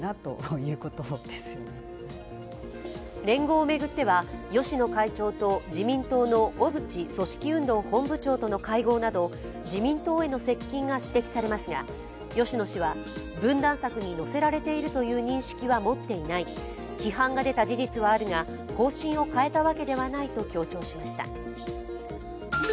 連合を巡っては、芳野会長と自民党の小渕組織運動本部長との会合など、自民党への接近が指摘されますが芳野氏は分断策に乗せられているという認識は持っていない批判が出た事実はあるが方針を変えたわけではないと強調しました。